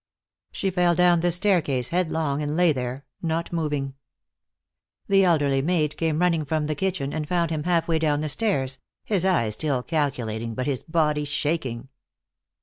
She fell down the staircase headlong, and lay there, not moving. The elderly maid came running from the kitchen, and found him half way down the stairs, his eyes still calculating, but his body shaking.